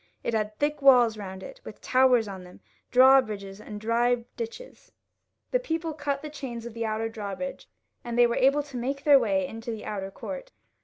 It had thick walls round it, with towers on them, drawbridges, and dry ditches. The people cut the chains of the outer drawbridge, so that it fell down, and they were able to make their way into the outer court.